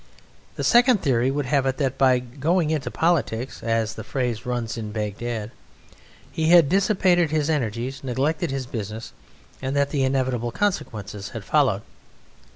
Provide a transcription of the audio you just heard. The second theory would have it that by "going into politics" (as the phrase runs in Bagdad) he had dissipated his energies, neglected his business, and that the inevitable consequences had followed.